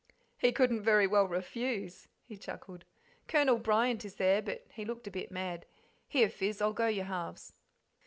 "He couldn't very well refuse," he chuckled. "Colonel Bryant is there; but he looked a bit mad here, Fizz, I'll go you halves."